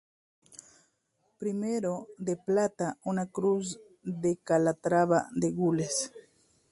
Primero, de plata, una Cruz de Calatrava de gules.